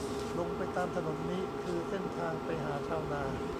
ลงไปตามถนนนี้คือเส้นทางไปหาชาวนา